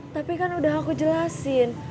tapi kan udah aku jelasin